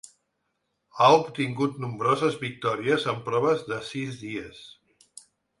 Ha obtingut nombroses victòries en proves de sis dies.